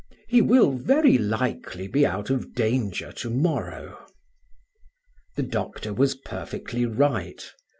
He will very likely be out of danger to morrow." The doctor was perfectly right.